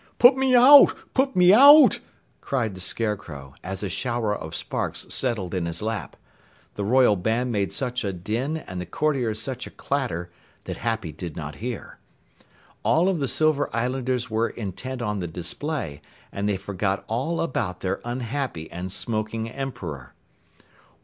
"Put me out! Put me out!" cried the Scarecrow, as a shower of sparks settled in his lap. The royal band made such a din and the courtiers such a clatter that Happy did not hear. All of the Silver Islanders were intent on the display, and they forgot all about their unhappy and smoking Emperor.